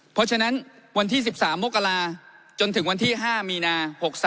เพราะฉะนั้นวันที่๑๓มกราจนถึงวันที่๕มีนา๖๓